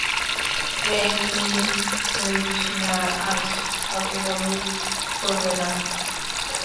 Echidna আজ কাউকে বন্দী করবে না!